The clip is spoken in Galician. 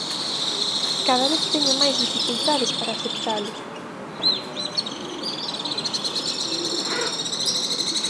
¡Cada vez teño máis dificultades para aceptalo!